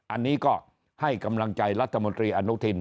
อันนี้ก็ให้กำลังใจรัฐมนตรีอนุทิน